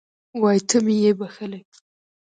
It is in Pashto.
وایي ته مې یې بښلی